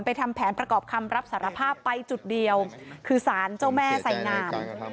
ทำแผนประกอบคำรับสารภาพไปจุดเดียวคือสารเจ้าแม่ไสงาม